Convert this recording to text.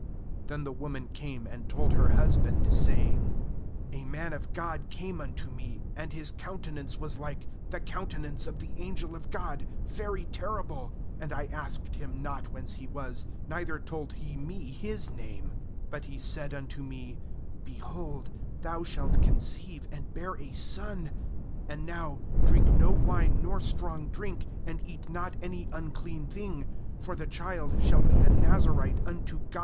6Then the woman came and told her husband, saying: 'A man of God came unto me, and his countenance was like the countenance of the angel of God, very terrible; and I asked him not whence he was, neither told he me his name; ^ut he said unto me: Behold, thou shalt conceive, and bear a son; and now drink no wine nor strong drink, and eat not any unclean thing; for the child shall be a Nazirite unto God 311 13.